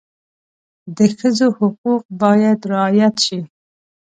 د ښځو حقوق باید رعایت شي.